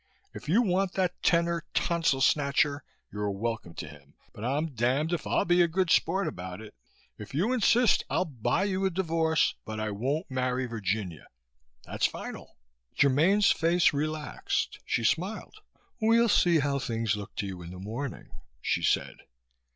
If you want that tenor tonsil snatcher, you're welcome to him but I'm damned if I'll be a good sport about it. If you insist, I'll buy you a divorce, but I won't marry Virginia that's final!" Germaine's face relaxed. She smiled. "We'll see how things look to you in the morning," she said.